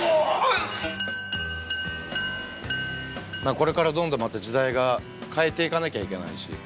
これからどんどんまた時代が変えていかなきゃいけないし。